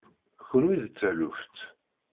Kenwi d taluft.